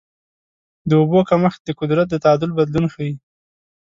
د اوبو کمښت د قدرت د تعادل بدلون ښيي.